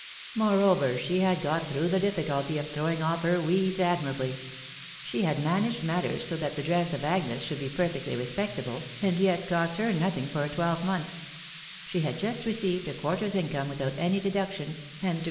Moreover, eke had got through the difficulty of throwing off her weeda admi rably; she had managed matters so that the drees of Agnes should be perfectly respectable, and yet cost her nothing far a twelvemonth; she had just received a quarter's income* without any deduction, and, to.